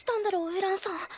エランさん。